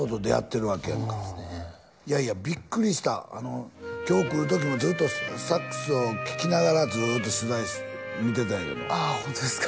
いやいやビックリした今日来る時もずっとサックスを聴きながらずっと取材見てたんやけどああホントですか？